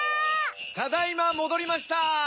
ただいまもどりました！